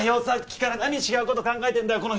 さっきから何違うこと考えてんだよ